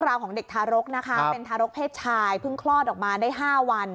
ราวของเด็กทารกนะคะเป็นทารกเพศชายเพิ่งคลอดออกมาได้๕วัน